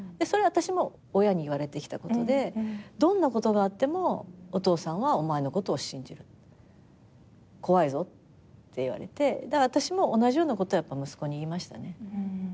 それは私も親に言われてきたことで「どんなことがあってもお父さんはお前のことを信じる」「怖いぞ」って言われて私も同じようなことを息子に言いましたね。